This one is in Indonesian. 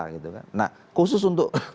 gitu kan nah khusus untuk